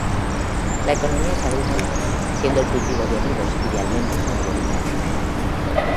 La economía es agrícola, siendo el cultivo de olivos y de almendros mayoritario.